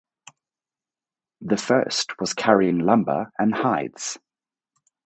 The first was carrying lumber and hides.